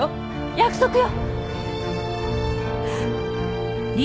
約束よ！